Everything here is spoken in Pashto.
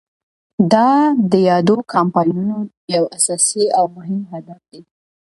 دا د یادو کمپاینونو یو اساسي او مهم هدف دی.